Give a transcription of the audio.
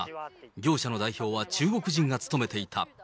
業者の代表は中国人が務めていた。